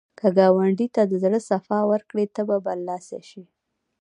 که ګاونډي ته د زړه صفا ورکړې، ته به برلاسی شې